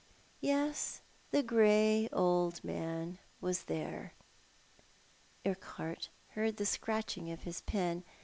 Yes, the grey old man was there. Urquhart heard the scratching of his pen.